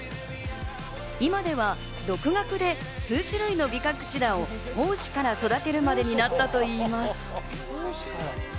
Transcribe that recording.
今では独学で数種類のビカクシダを胞子から育てるまでになったといいます。